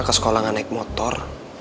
ke sekolah gak naik motor